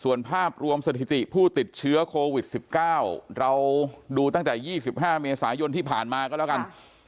ส่วนภาพรวมสถิติผู้ติดเชื้อโควิด๑๙เราดูตั้งแต่๒๕เมษายนที่ผ่านมาก็แล้วกัน